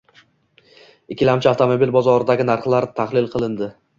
Ikkilamchi avtomobil bozoridagi narxlar tahlil qilinding